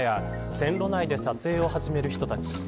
線路内で撮影を始める人たち。